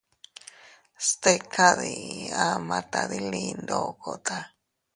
Stika diii ama tadili ndokota.